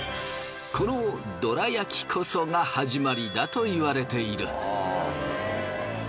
この銅鑼焼きこそが始まりだと言われている。